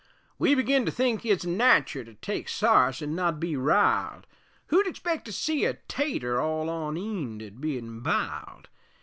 We begin to think it's natur To take sarse an' not be riled Who'd expect to see a tater All on eend at bein' biled?